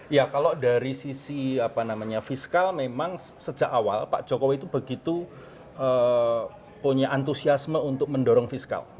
ya kalau dari sisi fiskal memang sejak awal pak jokowi itu begitu punya antusiasme untuk mendorong fiskal